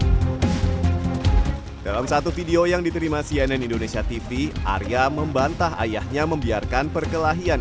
hai dalam satu video yang diterima cnn indonesia tv arya membantah ayahnya membiarkan perkelahian